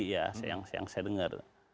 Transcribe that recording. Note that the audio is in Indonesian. yang saya dengar